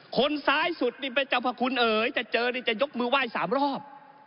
คนซ้ายสุดนี่เป็นเจ้าพระคุณเอ๋ยจะเจอนี่จะยกมือไหว้๓รอบ